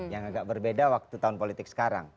yang agak berbeda waktu tahun politik sekarang